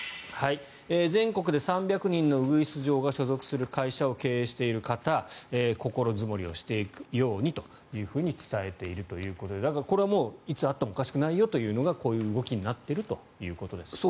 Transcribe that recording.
全国で３００人のうぐいす嬢が所属する会社を経営している方心積もりをしておくようにと伝えているということでだから、これはいつあってもおかしくないよというのがこういう動きになっているということですね。